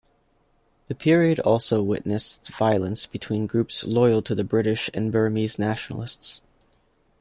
The period also witnessed violence between groups loyal to the British and Burmese nationalists.